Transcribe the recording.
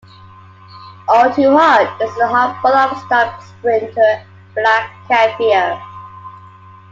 "All Too Hard" is the half-brother of star sprinter "Black Caviar".